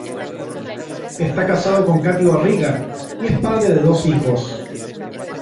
Está casado con Cathy Barriga, y es padre de dos hijos.